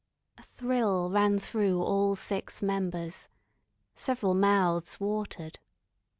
A thrill ran through all six members. Several mouths watered.